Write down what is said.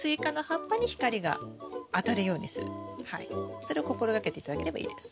それを心がけて頂ければいいです。